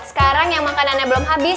sekarang yang makanannya belum habis